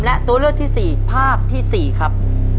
และตัวเลือกที่๔ภาพที่๔ครับ